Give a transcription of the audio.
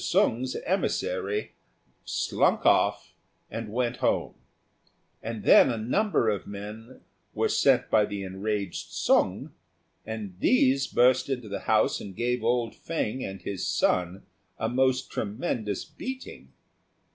Sung's emissary slunk off and went home; and then a number of men were sent by the enraged Sung, and these burst into the house and gave old Fêng and his son a most tremendous beating.